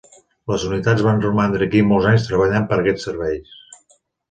Les unitats van romandre aquí molts anys treballant per a aquests serveis.